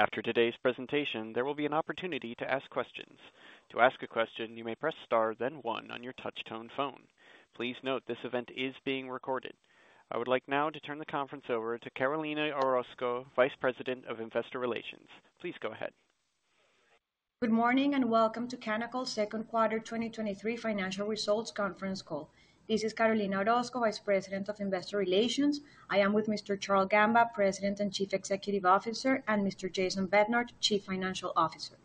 After today's presentation, there will be an opportunity to ask questions. To ask a question, you may press star, then one on your touchtone phone. Please note this event is being recorded. I would like now to turn the conference over to Carolina Orozco, Vice President of Investor Relations. Please go ahead. Good morning, welcome to Canacol's second quarter 2023 financial results conference call. This is Carolina Orozco, Vice President of Investor Relations. I am with Mr. Charles Gamba, President and Chief Executive Officer, and Mr. Jason Bednar, Chief Financial Officer.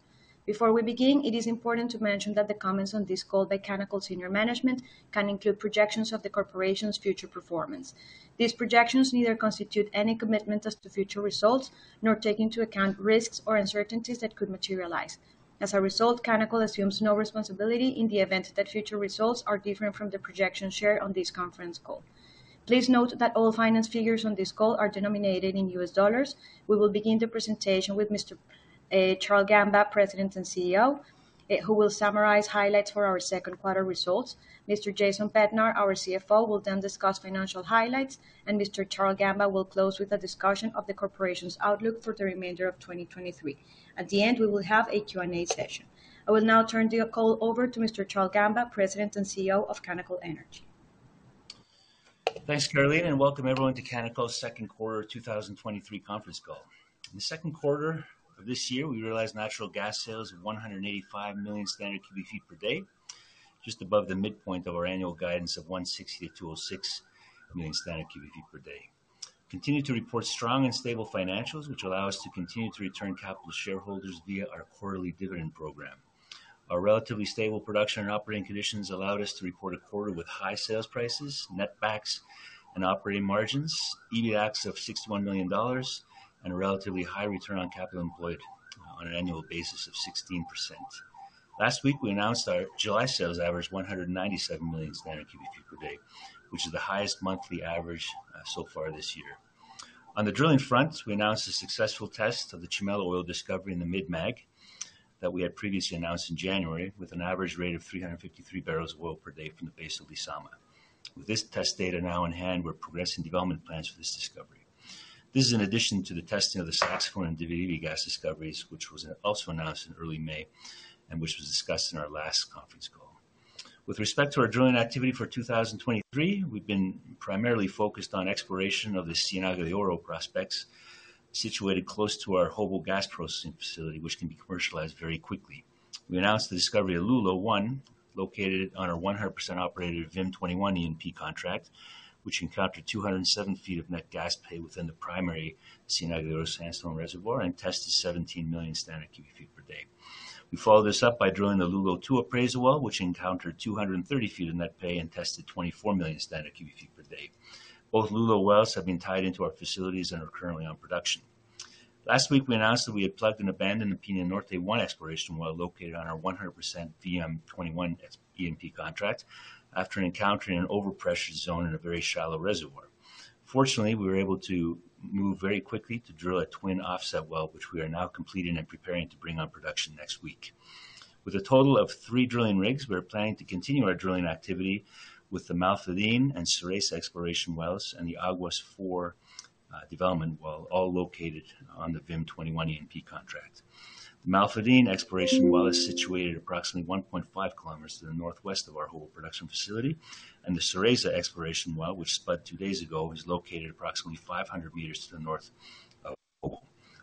Before we begin, it is important to mention that the comments on this call by Canacol Senior Management can include projections of the corporation's future performance. These projections neither constitute any commitment as to future results, nor take into account risks or uncertainties that could materialize. As a result, Canacol assumes no responsibility in the event that future results are different from the projections shared on this conference call. Please note that all finance figures on this call are denominated in U.S. dollars. We will begin the presentation with Mr. Charle Gamba, President and CEO, who will summarize highlights for our Q2 results. Mr. Jason Bednar, our CFO, will then discuss financial highlights, and Mr. Charle Gamba will close with a discussion of the corporation's outlook for the remainder of 2023. At the end, we will have a Q&A session. I will now turn the call over to Mr. Charle Gamba, President and CEO of Canacol Energy. Thanks, Carolina, welcome everyone to Canacol's Q2 2023 conference call. In the Q2 of this year, we realized natural gas sales of 185 million standard cubic feet per day, just above the midpoint of our annual guidance of 160 - 206 million standard cubic feet per day. Continue to report strong and stable financials, which allow us to continue to return capital to shareholders via our quarterly dividend program. Our relatively stable production and operating conditions allowed us to report a quarter with high sales prices, net backs and operating margins, EBITDA of $61 million, and a relatively high return on capital employed on an annual basis of 16%. Last week, we announced our July sales average, 197 million standard cubic feet per day, which is the highest monthly average so far this year. On the drilling front, we announced a successful test of the Chimela oil discovery in the Middle Magdalena, that we had previously announced in January, with an average rate of 353 barrels of oil per day from the base of Lisama. With this test data now in hand, we're progressing development plans for this discovery. This is in addition to the testing of the Saxo and Dividivi gas discoveries, which was also announced in early May, and which was discussed in our last conference call. With respect to our drilling activity for 2023, we've been primarily focused on exploration of the Ciénaga de Oro prospects, situated close to our Hobo gas processing facility, which can be commercialized very quickly. We announced the discovery of Lula-1, located on our 100% operated VIM-21 E&P contract, which encountered 207 feet of net gas pay within the primary Ciénaga de Oro sandstone reservoir and tested 17 million standard cubic feet per day. We followed this up by drilling the Lula-2 appraisal well, which encountered 230 feet in net pay and tested 24 million standard cubic feet per day. Both Lula wells have been tied into our facilities and are currently on production. Last week, we announced that we had plugged and abandoned the Pina Norte-1 exploration well, located on our 100% VIM-21 E&P contract, after encountering an overpressure zone in a very shallow reservoir. Fortunately, we were able to move very quickly to drill a twin offset well, which we are now completing and preparing to bring on production next week. With a total of three drilling rigs, we are planning to continue our drilling activity with the Mafaldine and Cereza exploration wells, and the Aguas four development well, all located on the VIM-21 E&P contract. Mafaldine exploration well is situated approximately 1.5 kilometers to the northwest of our whole production facility. The Cereza exploration well, which spud two days ago, is located approximately 500 meters to the north of Hobo.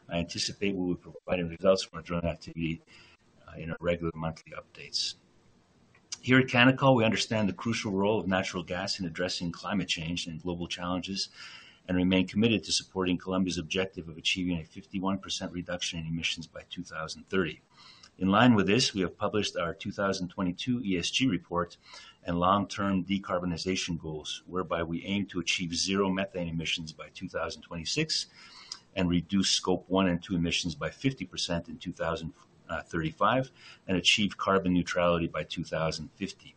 I anticipate we will be providing results from our drilling activity in our regular monthly updates. Here at Canacol, we understand the crucial role of natural gas in addressing climate change and global challenges, and remain committed to supporting Colombia's objective of achieving a 51% reduction in emissions by 2030. In line with this, we have published our 2022 ESG report and long-term decarbonization goals, whereby we aim to achieve 0 methane emissions by 2026, and reduce Scope 1 and 2 emissions by 50% in 2035, and achieve carbon neutrality by 2050.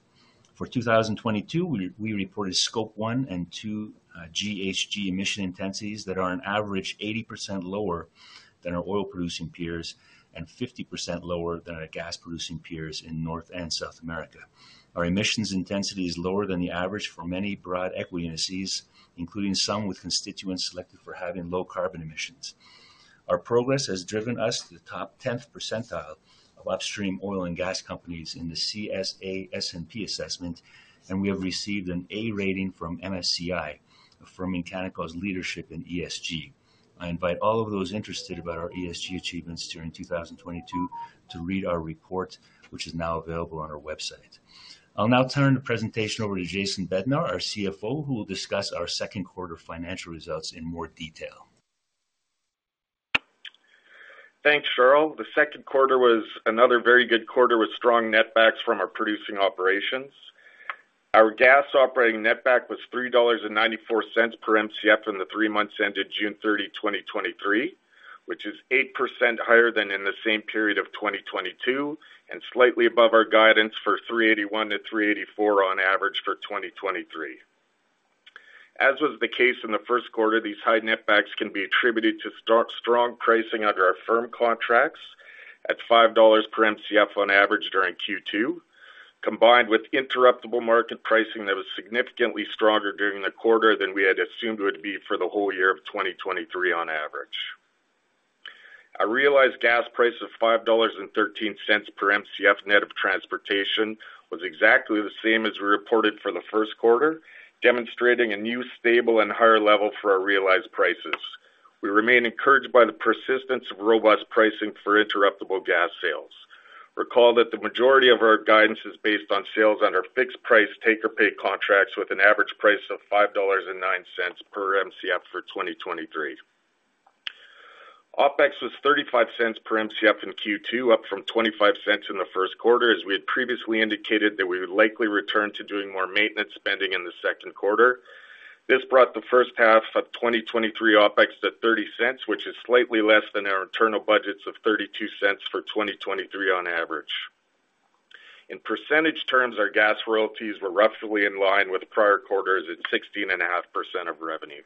For 2022, we reported Scope 1 and 2 GHG emission intensities that are on average 80% lower than our oil-producing peers, and 50% lower than our gas-producing peers in North and South America. Our emissions intensity is lower than the average for many broad equity indices, including some with constituents selected for having low carbon emissions. Our progress has driven us to the top tenth percentile of upstream oil and gas companies in the CSA S&P assessment, and we have received an A rating from MSCI, affirming Canacol's leadership in ESG. I invite all of those interested about our ESG achievements during 2022 to read our report, which is now available on our website. I'll now turn the presentation over to Jason Bednar, our CFO, who will discuss our Q2 financial results in more detail. Thanks, Charle. The Q2 was another very good quarter with strong netbacks from our producing operations. Our gas operating netback was $3.94 per Mcf in the three months ended June 30, 2023, which is 8% higher than in the same period of 2022, and slightly above our guidance for $3.81-$3.84 on average for 2023. As was the case in the first quarter, these high netbacks can be attributed to strong pricing under our firm contracts at $5 per Mcf on average during Q2 combined with interruptible market pricing that was significantly stronger during the quarter than we had assumed it would be for the whole year of 2023 on average. Our realized gas price of $5.13 per Mcf net of transportation, was exactly the same as we reported for the Q1, demonstrating a new, stable, and higher level for our realized prices. We remain encouraged by the persistence of robust pricing for interruptible gas sales. Recall that the majority of our guidance is based on sales under fixed price, take-or-pay contracts with an average price of $5.09 per Mcf for 2023. OpEx was $0.35 per Mcf in Q2, up from $0.25 in the Q1, as we had previously indicated that we would likely return to doing more maintenance spending in the Q2. This brought the first half of 2023 OpEx to $0.30, which is slightly less than our internal budgets of $0.32 for 2023 on average. In percentage terms, our gas royalties were roughly in line with prior quarters at 16.5% of revenue.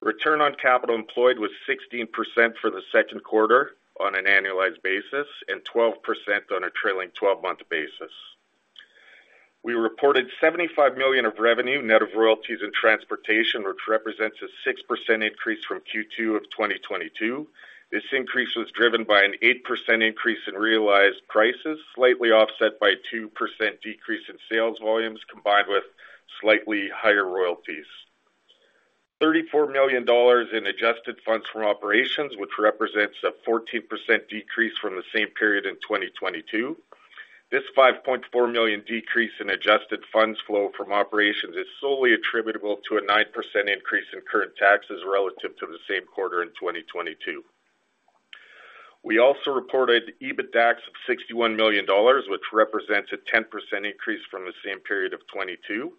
Return on capital employed was 16% for the Q2 on an annualized basis, and 12% on a trailing 12 month basis. We reported $75 million of revenue net of royalties and transportation, which represents a 6% increase from Q2 of 2022. This increase was driven by an 8% increase in realized prices, slightly offset by a 2% decrease in sales volumes, combined with slightly higher royalties. $34 million in adjusted funds from operations, which represents a 14% decrease from the same period in 2022. This $5.4 million decrease in adjusted funds flow from operations is solely attributable to a 9% increase in current taxes relative to the same quarter in 2022. We also reported EBITDAX of $61 million, which represents a 10% increase from the same period of 2022.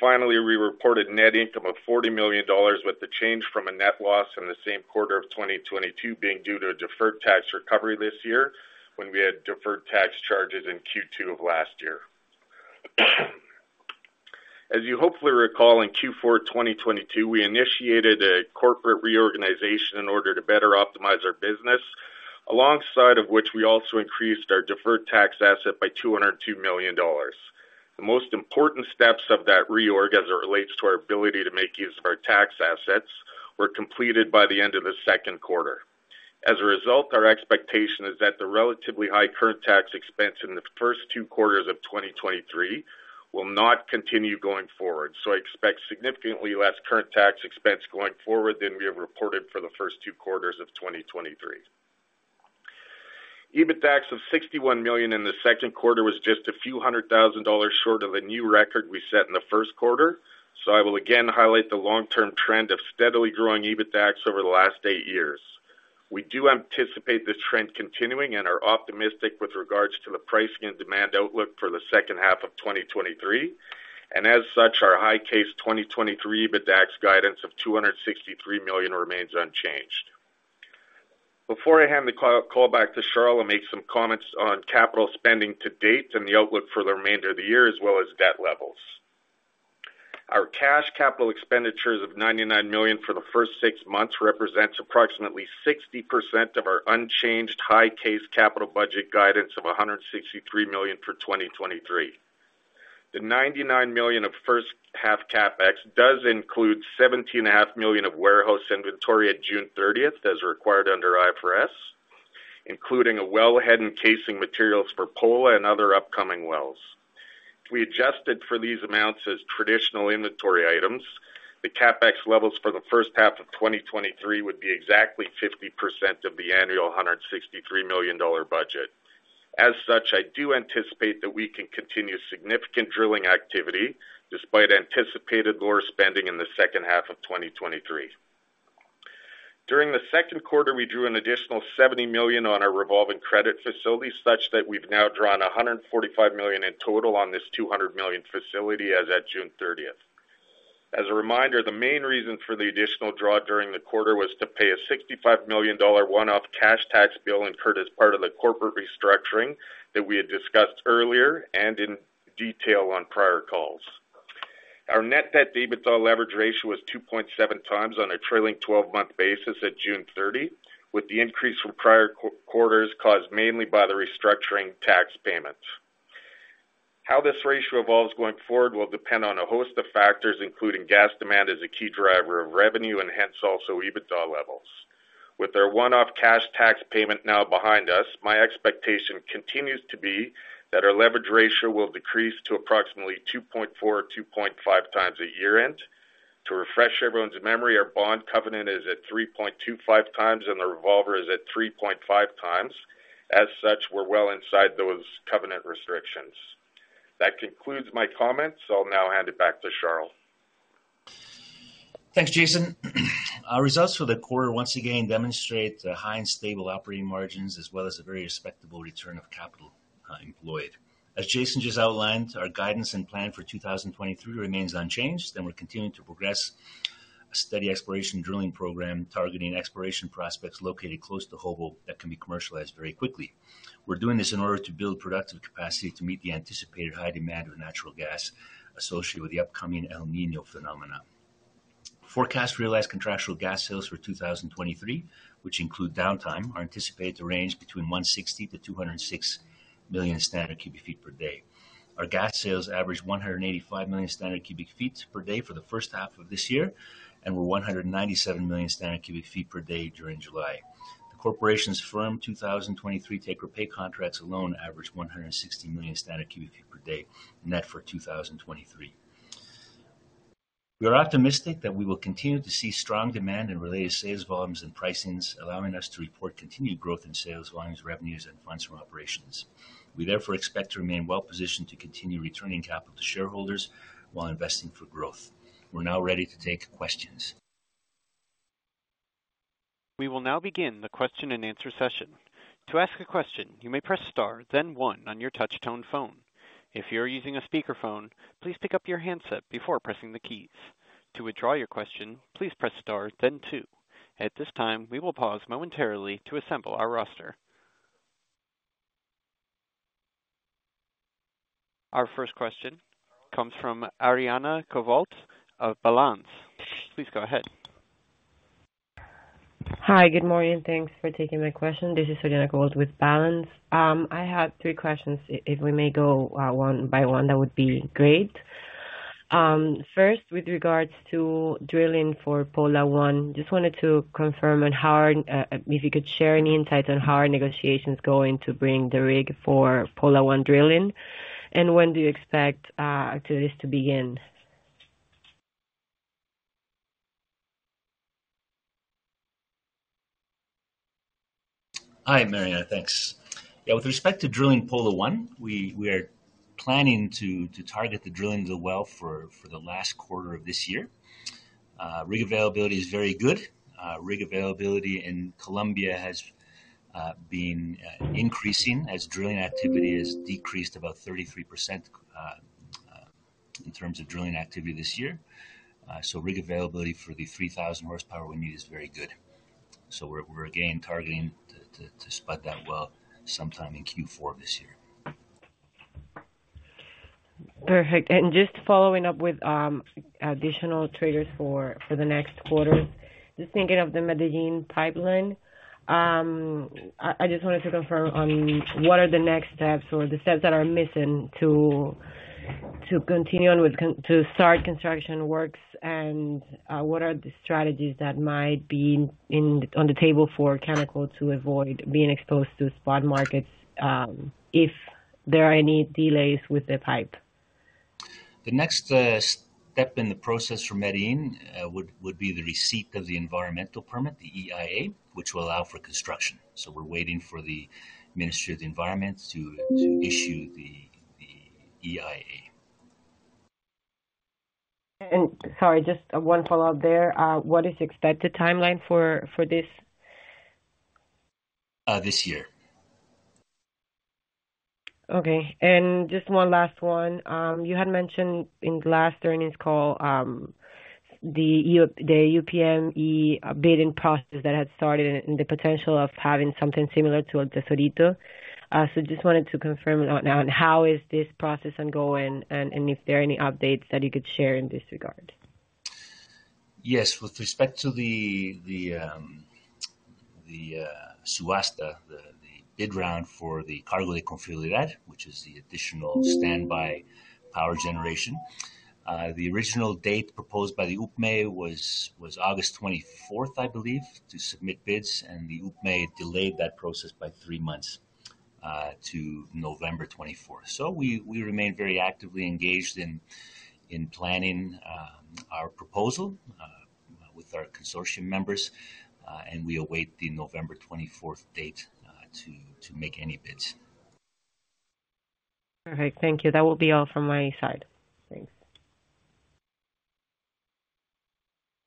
Finally, we reported net income of $40 million, with the change from a net loss in the same quarter of 2022 being due to a deferred tax recovery this year, when we had deferred tax charges in Q2 of last year. As you hopefully recall, in Q4 2022, we initiated a corporate reorganization in order to better optimize our business, alongside of which we also increased our deferred tax asset by $202 million. The most important steps of that reorg, as it relates to our ability to make use of our tax assets, were completed by the end of the Q2. As a result, our expectation is that the relatively high current tax expense in the first two quarters of 2023 will not continue going forward, so I expect significantly less current tax expense going forward than we have reported for the first two quarters of 2023. EBITDAX of $61 million in the Q2 was just a few hundred thousand dollars short of a new record we set in the Q1, so I will again highlight the long-term trend of steadily growing EBITDAX over the last eight years. We do anticipate this trend continuing and are optimistic with regards to the pricing and demand outlook for the second half of 2023. As such, our high case 2023 EBITDAX guidance of $263 million remains unchanged. Before I hand the call, call back to Charles, I'll make some comments on capital spending to date and the outlook for the remainder of the year, as well as debt levels. Our cash capital expenditures of $99 million for the first six months represents approximately 60% of our unchanged high case capital budget guidance of $163 million for 2023. The $99 million of first half CapEx does include $17.5 million of warehouse inventory at June 30th, as required under IFRS, including a well head and casing materials for Pola and other upcoming wells. If we adjusted for these amounts as traditional inventory items, the CapEx levels for the first half of 2023 would be exactly 50% of the annual $163 million budget. As such, I do anticipate that we can continue significant drilling activity despite anticipated lower spending in the second half of 2023. During the Q2, we drew an additional $70 million on our revolving credit facility, such that we've now drawn $145 million in total on this $200 million facility as at June 30th. As a reminder, the main reason for the additional draw during the quarter was to pay a $65 million one-off cash tax bill incurred as part of the corporate restructuring that we had discussed earlier and in detail on prior calls. Our net debt EBITDA leverage ratio was 2.7 times on a trailing 12 month basis at June 30, with the increase from prior quarters caused mainly by the restructuring tax payments. How this ratio evolves going forward will depend on a host of factors, including gas demand, as a key driver of revenue and hence also EBITDA levels. With our one-off cash tax payment now behind us, my expectation continues to be that our leverage ratio will decrease to approximately 2.4 or 2.5 times at year-end. To refresh everyone's memory, our bond covenant is at 3.25 times, and the revolver is at 3.5 times. As such, we're well inside those covenant restrictions. That concludes my comments. I'll now hand it back to Charles. Thanks, Jason. Our results for the quarter once again demonstrate the high and stable operating margins, as well as a very respectable return of capital employed. As Jason just outlined, our guidance and plan for 2023 remains unchanged. We're continuing to progress a steady exploration drilling program, targeting exploration prospects located close to Hobo that can be commercialized very quickly. We're doing this in order to build productive capacity to meet the anticipated high demand of natural gas associated with the upcoming El Niño phenomena. Forecast realized contractual gas sales for 2023, which include downtime, are anticipated to range between 160 million standard cubic feet per day-206 million standard cubic feet per day. Our gas sales averaged 185 million standard cubic feet per day for the first half of this year, and were 197 million standard cubic feet per day during July. The corporation's firm 2023 take-or-pay contracts alone averaged 160 million standard cubic feet per day net for 2023. We are optimistic that we will continue to see strong demand in related sales volumes and pricings, allowing us to report continued growth in sales volumes, revenues, and funds from operations. We therefore expect to remain well-positioned to continue returning capital to shareholders while investing for growth. We're now ready to take questions. We will now begin the question-and-answer session. To ask a question, you may press star, then one on your touchtone phone. If you're using a speakerphone, please pick up your handset before pressing the keys. To withdraw your question, please press star then two. At this time, we will pause momentarily to assemble our roster. Our first question comes from Ariana Koval of Balance. Please go ahead. Hi, good morning, thanks for taking my question. This is Ariana Koval with Balance. I have three questions. If we may go, one by one, that would be great. First, with regards to drilling for Pola-1, just wanted to confirm on how are, if you could share any insights on how are negotiations going to bring the rig for Pola-1 drilling, and when do you expect activities to begin? Hi, Mariana. Thanks. With respect to drilling Pola-1, we are planning to target the drilling of the well for the last quarter of this year. Rig availability is very good. Rig availability in Colombia has been increasing as drilling activity has decreased about 33% in terms of drilling activity this year. Rig availability for the 3,000 horsepower we need is very good. We're again targeting to spud that well sometime in Q4 of this year. Perfect. Just following up with additional traders for the next quarter. Just thinking of the Medellin pipeline, I, I just wanted to confirm on what are the next steps or the steps that are missing to continue on with to start construction works, and what are the strategies that might be in, on the table for Canacol to avoid being exposed to spot markets, if there are any delays with the pipe? The next step in the process for Medellin would be the receipt of the environmental permit, the EIA, which will allow for construction. We're waiting for the Ministry of the Environment to issue the EIA. Sorry, just one follow-up there. What is the expected timeline for this? This year. Okay, and just one last one. You had mentioned in last earnings call, the UPME bidding process that had started and the potential of having something similar to El Tesorito. Just wanted to confirm on how is this process ongoing, and if there are any updates that you could share in this regard? Yes. With respect to the, the, the, Subasta, the, the bid round for the Cargo por Confiabilidad, which is the additional standby power generation. The original date proposed by the UPME was, was August 24th, I believe, to submit bids, the UPME delayed that process by three months, to November 24th. We, we remain very actively engaged in, in planning, our proposal, with our consortium members, and we await the November 24th date, to, to make any bids. Perfect. Thank you. That will be all from my side. Thanks.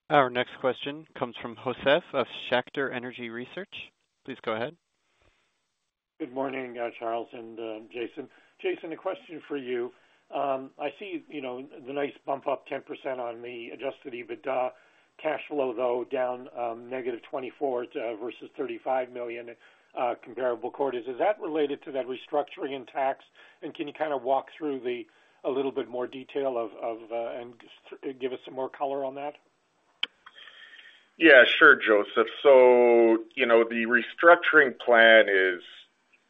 Our next question comes from Josef Schachter. Please go ahead. Good morning, Charles and Jason. Jason, a question for you. I see, you know, the nice bump up 10% on the adjusted EBITDA. Cash flow, though, down, negative 24 versus $35 million comparable quarters. Is that related to that restructuring in tax? Can you kind of walk through the, a little bit more detail of, of, and give us some more color on that? Yeah, sure, Joseph. You know, the restructuring plan is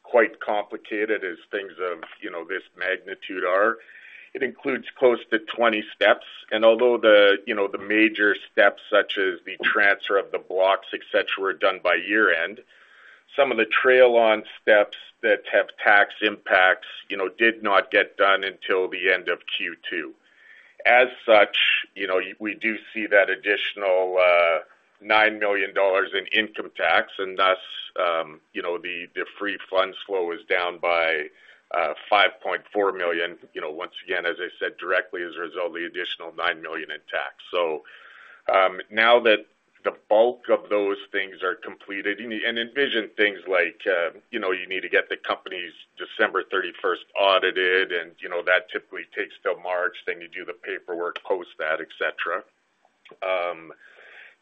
quite complicated, as things of, you know, this magnitude are. It includes close to 20 steps, and although the, you know, the major steps, such as the transfer of the blocks, et cetera, were done by year-end, some of the trail on steps that have tax impacts, you know, did not get done until the end of Q2. As such, you know, y- we do see that additional $9 million in income tax, and thus, you know, the, the free funds flow is down by $5.4 million. You know, once again, as I said, directly as a result of the additional $9 million in tax. Now that the bulk of those things are completed, and envision things like, you know, you need to get the company's December 31st audited, and, you know, that typically takes till March, then you do the paperwork, post that, et cetera.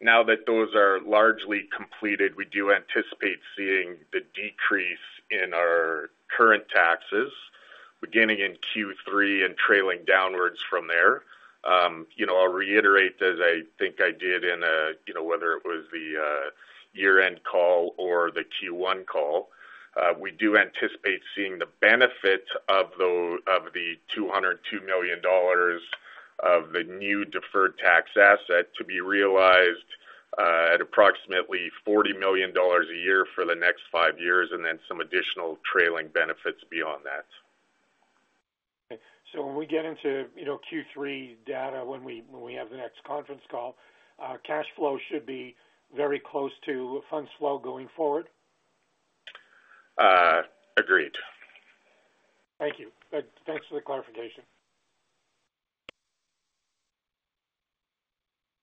Now that those are largely completed, we do anticipate seeing the decrease in our current taxes beginning in Q3 and trailing downwards from there. You know, I'll reiterate, as I think I did in, you know, whether it was the year-end call or the Q1 call, we do anticipate seeing the benefit of the $202 million of the new deferred tax asset to be realized, at approximately $40 million a year for the next five years, and then some additional trailing benefits beyond that. When we get into, you know, Q3 data, when we, when we have the next conference call, cash flow should be very close to funds flow going forward? Agreed. Thank you. Thanks for the clarification.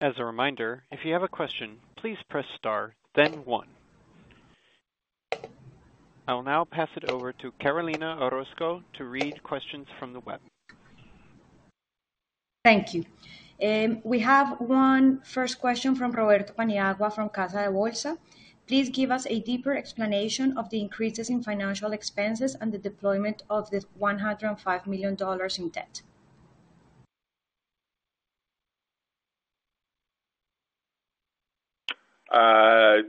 As a reminder, if you have a question, please press star, then one. I'll now pass it over to Carolina Orozco to read questions from the web. Thank you. We have one first question from Roberto Paniagua, from Casa de Bolsa: Please give us a deeper explanation of the increases in financial expenses and the deployment of the $105 million in debt. Okay,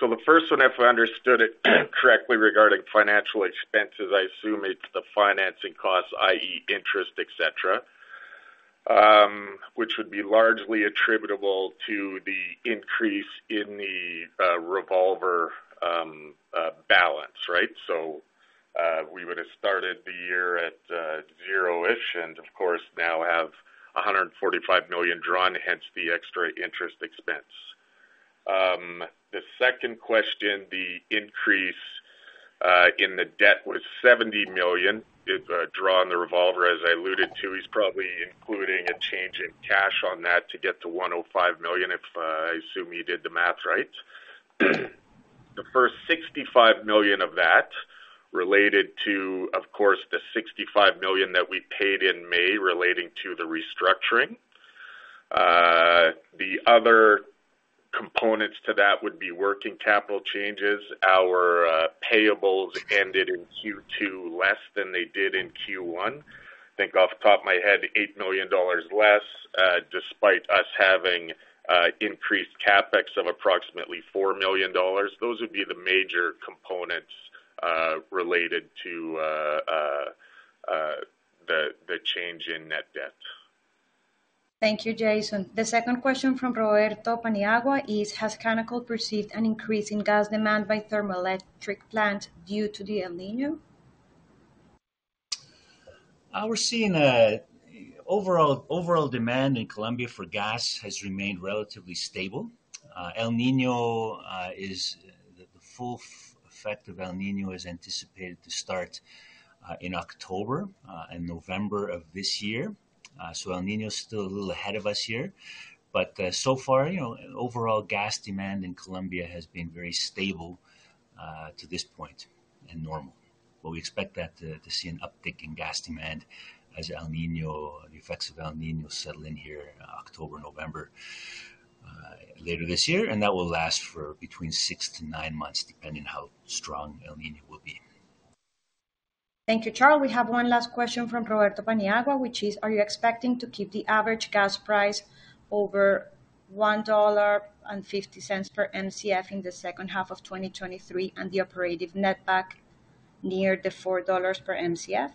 the first one, if I understood it correctly, regarding financial expenses, I assume it's the financing costs, i.e., interest, et cetera, which would be largely attributable to the increase in the revolver balance, right? We would have started the year at zero-ish, and of course, now have $145 million drawn, hence the extra interest expense. The second question, the increase in the debt was $70 million. It's drawn the revolver, as I alluded to. It's probably including a change in cash on that to get to $105 million, if I assume you did the math right. The first $65 million of that related to, of course, the $65 million that we paid in May relating to the restructuring. The other components to that would be working capital changes. Our payables ended in Q2 less than they did in Q1. I think off the top of my head, $8 million less, despite us having increased CapEx of approximately $4 million. Those would be the major components related to the change in net debt. Thank you, Jason. The second question from Roberto Paniagua is: Has Canacol perceived an increase in gas demand by thermoelectric plant due to the El Niño? We're seeing overall, overall demand in Colombia for gas has remained relatively stable. El Niño, the full effect of El Niño is anticipated to start in October and November of this year. El Niño is still a little ahead of us here, but so far, you know, overall gas demand in Colombia has been very stable to this point and normal. We expect that to see an uptick in gas demand as El Niño, the effects of El Niño settle in here in October, November later this year, and that will last for between six to nine months, depending on how strong El Niño will be. Thank you, Charles. We have one last question from Roberto Paniagua, which is: Are you expecting to keep the average gas price over $1.50 per Mcf in the second half of 2023, and the operative net back near the $4 per Mcf?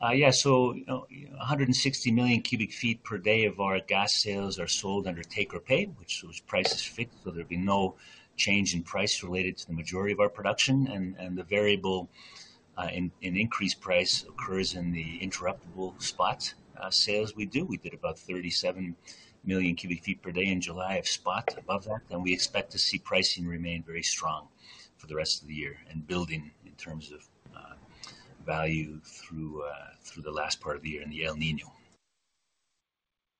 160 million cubic feet per day of our gas sales are sold under take-or-pay, which those price is fixed. There'll be no change in price related to the majority of our production. The variable in increased price occurs in the interruptible spot sales. We do. We did about 37 million cubic feet per day in July of spot. Above that, we expect to see pricing remain very strong for the rest of the year and building in terms of value through through the last part of the year in the El Niño.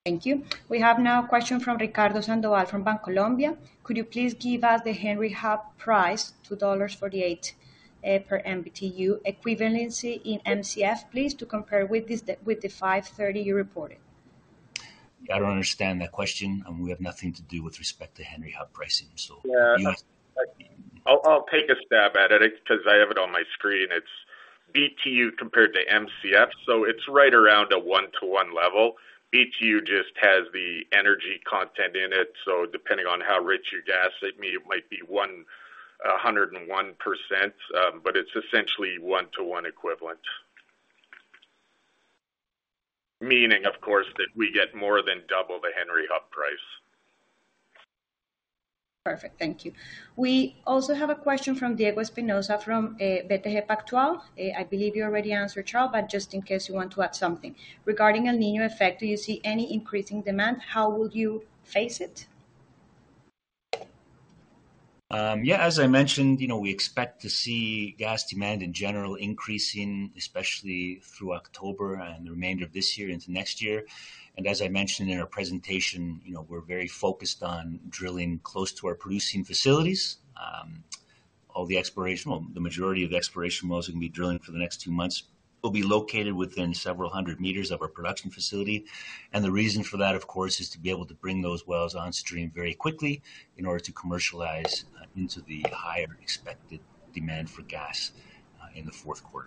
Thank you. We have now a question from Ricardo Sandoval from Bancolombia: Could you please give us the Henry Hub price, $2.48 per MBTU, equivalency in Mcf, please, to compare with this, with the $5.30 you reported? I don't understand that question. We have nothing to do with respect to Henry Hub pricing. Yeah. I'll, I'll take a stab at it, 'cause I have it on my screen. It's BTU compared to Mcf. It's right around a one-to-one level. BTU just has the energy content in it. Depending on how rich your gas, it might be 101%. It's essentially one-to-one equivalent. Meaning, of course, that we get more than double the Henry Hub price. Perfect. Thank you. We also have a question from Diego Espinosa, from BTG Pactual. I believe you already answered, Charle, but just in case you want to add something. Regarding El Niño effect, do you see any increasing demand? How will you face it? Yeah, as I mentioned, you know, we expect to see gas demand in general increasing, especially through October and the remainder of this year into next year. As I mentioned in our presentation, you know, we're very focused on drilling close to our producing facilities. All the exploration, well, the majority of exploration wells are going to be drilling for the next two months, will be located within several 100 meters of our production facility. The reason for that, of course, is to be able to bring those wells on stream very quickly in order to commercialize into the higher expected demand for gas in the Q4.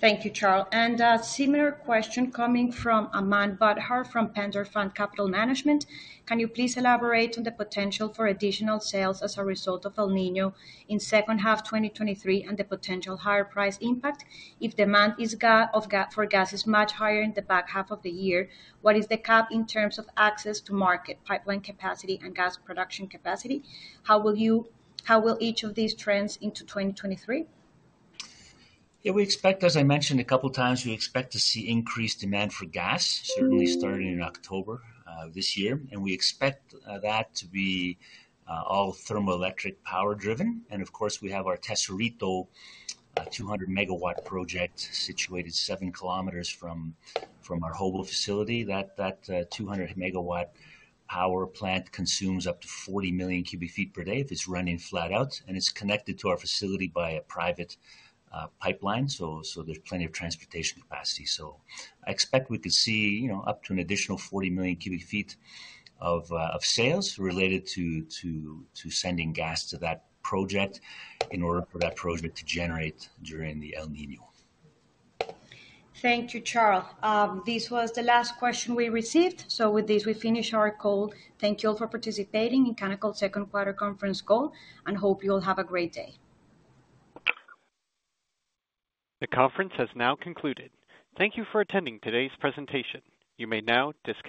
Thank you, Charle. A similar question coming from Aman Budhwar, from Pandion Fund Capital Management: Can you please elaborate on the potential for additional sales as a result of El Niño in second half 2023 and the potential higher price impact? If demand for gas is much higher in the back half of the year, what is the cap in terms of access to market, pipeline capacity, and gas production capacity? How will each of these trends into 2023? Yeah, we expect, as I mentioned a couple of times, we expect to see increased demand for gas, certainly starting in October this year. We expect that to be all thermoelectric power driven. Of course, we have our Tesorito 200 megawatt project situated seven kilometers from our Hobo facility. That 200 megawatt power plant consumes up to 40 million cubic feet per day if it's running flat out, and it's connected to our facility by a private pipeline, so there's plenty of transportation capacity. I expect we could see, you know, up to an additional 40 million cubic feet of sales related to sending gas to that project in order for that project to generate during the El Niño. Thank you, Charle. This was the last question we received. With this, we finish our call. Thank you all for participating in Canacol's Q2 conference call. Hope you all have a great day. The conference has now concluded. Thank you for attending today's presentation. You may now disconnect.